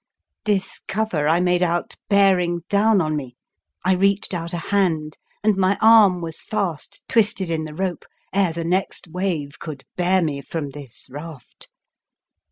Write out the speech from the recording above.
This cover I made out bearing down on me. I reached out a hand, and my arm was fast twisted in the rope ere the next wave could bear me from this raft.